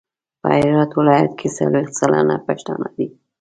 په هرات ولایت کې څلویښت سلنه پښتانه دي.